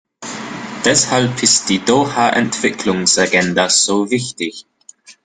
Deshalb ist die Doha-Entwicklungsagenda so wichtig.